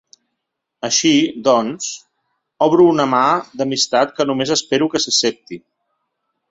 Així, doncs, obro una mà d’amistat que només espero que s’accepti.